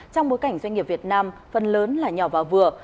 trong bối cảnh doanh nghiệp việt nam phần lớn là nhỏ và vừa